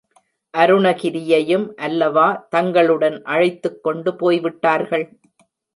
அருணகிரியையும் அல்லவா தங்களுடன் அழைத்துக் கொண்டு போய் விட்டார்கள்!